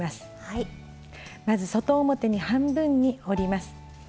まず外表に半分に折ります。